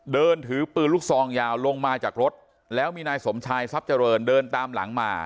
เดินถือปืนลูกซองยาวลงมาจากรถแล้วมีนายสมชายทรัพย์เจริญเดินตามหลังมา